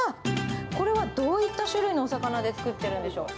これはどういった種類のお魚で作っているんでしょう。